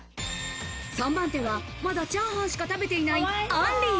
３番手は、まだチャーハンしか食べていない、あんり。